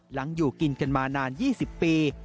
อยู่กินกันมานาน๒๐ปี